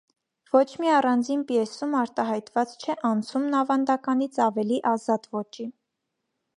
Ոչ մի առանձին պիեսում արտահայտված չէ անցումն ավանդականից ավելի ազատ ոճի։